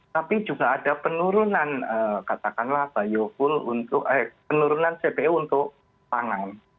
tapi juga ada penurunan cpo untuk tangan